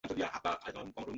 আমাকে আগেই জানিয়ে দিতে।